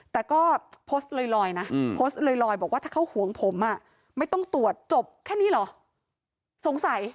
แต่ก็โพสต์ลอยนะโพสต์ลอยบอกว่าถ้าเขาห่วงผมไม่ต้องตรวจจบแค่นี้เหรอสงสัย